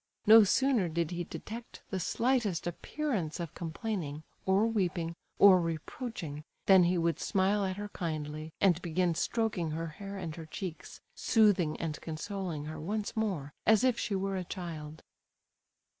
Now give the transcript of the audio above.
No sooner did he detect the slightest appearance of complaining, or weeping, or reproaching, than he would smile at her kindly, and begin stroking her hair and her cheeks, soothing and consoling her once more, as if she were a child.